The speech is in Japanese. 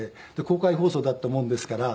公開放送だったもんですから。